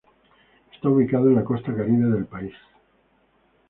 Está ubicado en la costa Caribe del país.